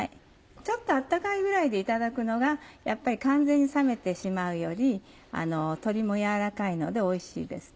ちょっと温かいぐらいでいただくのがやっぱり完全に冷めてしまうより鶏も軟らかいのでおいしいです。